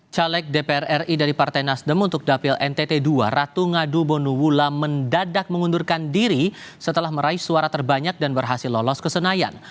caleg dpr ri dari partai nasdem untuk dapil ntt ii ratu ngadu bonula mendadak mengundurkan diri setelah meraih suara terbanyak dan berhasil lolos ke senayan